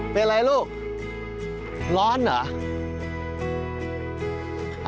เป็นอะไรลูกร้อนเหรอ